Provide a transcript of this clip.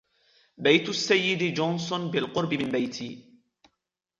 بيت السيد جونسون بالقرب من بيتي.